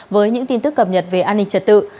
với những tin tức cập nhật về an ninh trật tự